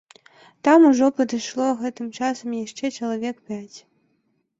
Там ужо падышло гэтым часам яшчэ чалавек пяць.